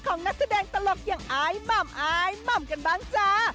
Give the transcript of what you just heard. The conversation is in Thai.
นักแสดงตลกอย่างอายหม่ำอายหม่ำกันบ้างจ้า